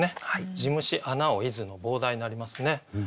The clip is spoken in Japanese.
「地虫穴を出づ」の傍題になりますね。